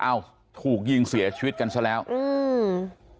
เอ้าถูกยิงเสียชีวิตกันซะแล้วอืม